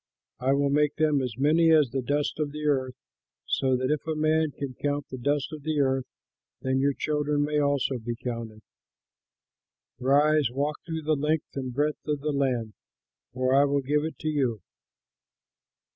I will make them as many as the dust of the earth, so that if a man can count the dust of the earth, then your children may also be counted. Rise, walk through the length and breadth of the land, for I will give it to you."